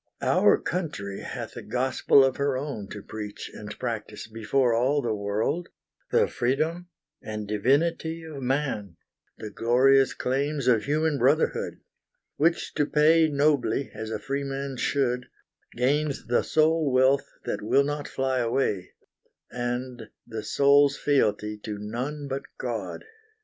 Our country hath a gospel of her own To preach and practise before all the world, The freedom and divinity of man, The glorious claims of human brotherhood, Which to pay nobly, as a freeman should, Gains the sole wealth that will not fly away, And the soul's fealty to none but God.